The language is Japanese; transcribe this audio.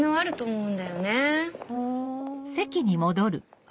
うん。